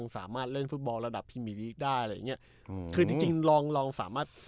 สามารถเล่นฟุตบอลระดับพรีมีลีกได้อะไรอย่างเงี้ยอืมคือจริงจริงลองลองสามารถ